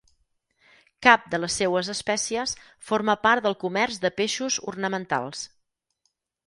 Cap de les seues espècies forma part del comerç de peixos ornamentals.